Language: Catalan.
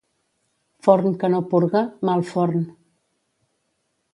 Forn que no purga, mal forn.